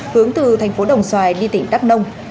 hướng từ thành phố đồng xoài đi tỉnh đắk nông